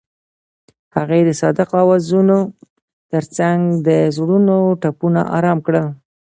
هغې د صادق اوازونو ترڅنګ د زړونو ټپونه آرام کړل.